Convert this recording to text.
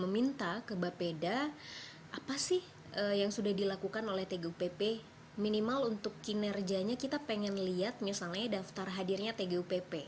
misalnya daftar hadirnya tgupp